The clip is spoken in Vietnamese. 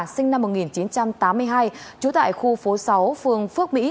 sinh năm một nghìn chín trăm tám mươi hai trú tại khu phố sáu phường phước mỹ